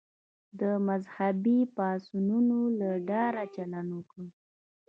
د مذهبي پاڅونونو له ډاره چلند وکړ.